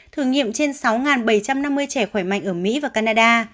thử nghiệm trên sáu bảy trăm năm mươi trẻ khỏe mạnh ở mỹ và canada